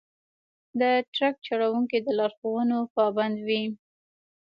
د ټرک چلوونکي د لارښوونو پابند وي.